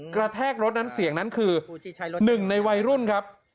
กระแทกรถนั้นเสียงนั้นคือ๑ในวัยรุ่นครับ